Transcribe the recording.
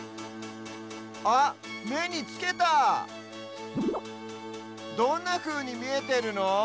あっめにつけたどんなふうにみえてるの？